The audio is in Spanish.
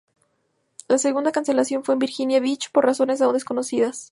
La segunda cancelación fue en Virginia Beach por razones aún desconocidas.